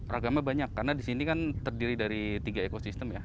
ragamnya banyak karena di sini kan terdiri dari tiga ekosistem ya